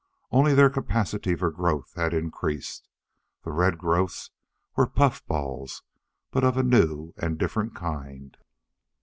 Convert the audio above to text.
Only their capacity for growth had increased. The red growths were puffballs, but of a new and different kind.